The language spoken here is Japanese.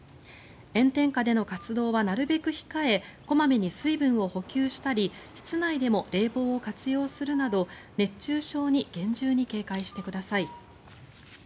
炎天下での活動はなるべく控え小まめに水分を補給したり室内でも冷房を活用するなど熱中症に厳重に警戒してください。